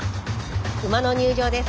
馬の入場です。